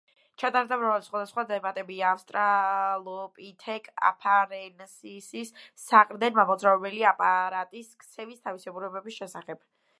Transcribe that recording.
ჩატარდა მრავალი სხვადასხვა დებატები ავსტრალოპითეკ აფარენსისის საყრდენ-მამოძრავებელი აპარატის ქცევის თავისებურების შესახებ.